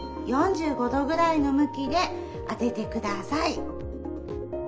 ４５度ぐらいの向きで当てて下さい。